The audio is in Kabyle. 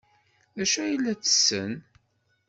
D acu ay la ttessen?